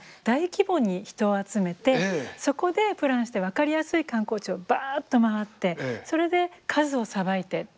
大規模に人を集めてそこでプランして分かりやすい観光地をバッと回ってそれで数をさばいて。